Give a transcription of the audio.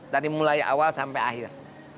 dari mulai awal sampai akhir